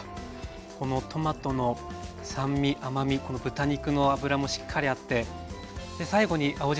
このトマトの酸味甘みこの豚肉の脂もしっかりあって最後に青じ